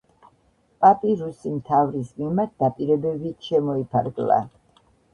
პაპი რუსი მთავრის მიმართ დაპირებებით შემოიფარგლა.